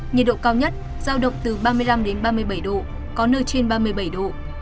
nhiệt độ cao nhất giao động từ ba mươi năm ba mươi bảy độ có nơi trên ba mươi bảy độ